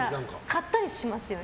買ったりしますよね。